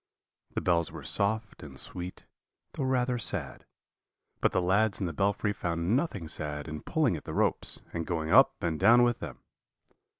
"The bells were soft and sweet, though rather sad; but the lads in the belfry found nothing sad in pulling at the ropes, and going up and down with them.